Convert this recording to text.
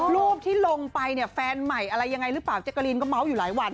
รูปที่ลงไปเนี่ยแฟนใหม่อะไรยังไงหรือเปล่าแจ๊กกะรีนก็เมาส์อยู่หลายวัน